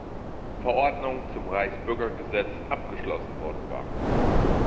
Verordnung zum Reichsbürgergesetz, abgeschlossen worden war.